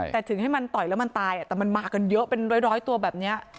แต่ถึงให้มันต่อยแล้วมันตายแต่มันมากันเยอะเป็นร้อยตัวแบบนี้